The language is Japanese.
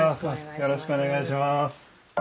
よろしくお願いします。